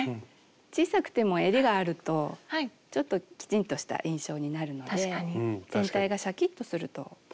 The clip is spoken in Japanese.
小さくてもえりがあるとちょっときちんとした印象になるので全体がシャキッとすると思います。